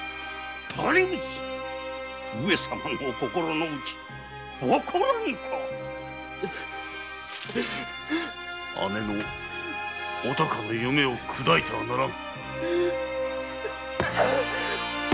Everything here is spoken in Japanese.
上様のお心のうちわからぬのか⁉姉のお孝の夢を砕いてはならぬ。